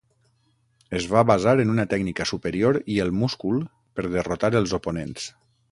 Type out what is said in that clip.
Es va basar en una tècnica superior i el múscul per derrotar els oponents.